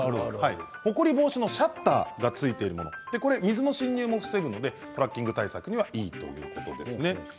ほこり防止のシャッターがついて水の侵入も防ぐのでトラッキング対策にはいいということです。